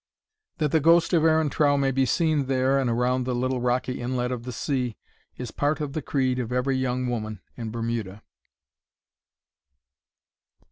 That the ghost of Aaron Trow may be seen there and round the little rocky inlet of the sea, is part of the creed of every young woman in Bermuda.